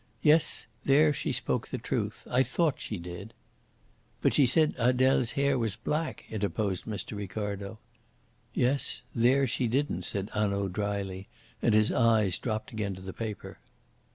"Yes, there she spoke the truth. I thought she did." "But she said Adele's hair was black," interposed Mr. Ricardo. "Yes, there she didn't," said Hanaud drily, and his eyes dropped again to the paper.